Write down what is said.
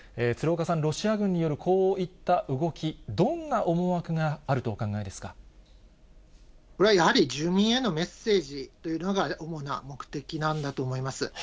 鶴岡さん、ロシア軍によるこういった動き、どんな思惑があるとおこれはやはり、住民へのメッセージというのが、主な目的なんだと思います。